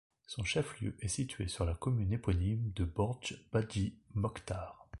Son chef-lieu est situé sur la commune éponyme de Bordj Badji Mokhtar.